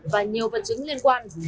và nhiều vật chứng liên quan